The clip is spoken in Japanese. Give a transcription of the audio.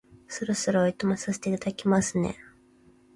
そろそろお暇させていただきますね